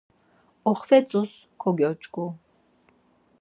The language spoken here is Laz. Oxvetzus kogyoç̌ǩu.